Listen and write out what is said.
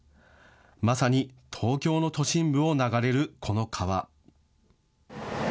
まさに東京の都心部を流れるこの川。